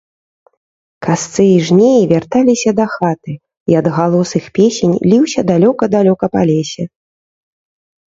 Касцы i жнеi вярталiся дахаты, i адгалос iх песень лiўся далёка-далёка па лесе...